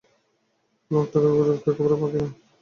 লাখ টাকার গুজব তো একেবারেই ফাঁকি।